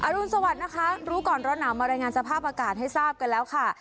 รุนสวัสดิ์นะคะรู้ก่อนร้อนหนาวมารายงานสภาพอากาศให้ทราบกันแล้วค่ะ